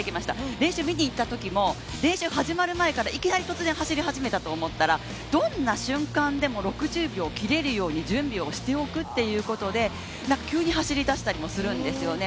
練習見にいったときも練習が始まる前から、いきなり走り始めたと思ったらどんな瞬間でも６０秒を切れるように準備をしておくということで急に走り出したりもするんですよね。